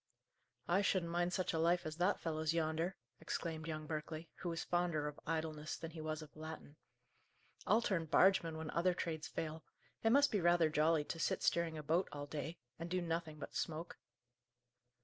"I shouldn't mind such a life as that fellow's yonder!" exclaimed young Berkeley, who was fonder of idleness than he was of Latin. "I'll turn bargeman when other trades fail. It must be rather jolly to sit steering a boat all day, and do nothing but smoke."